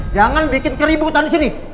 jangan bikin keributan disini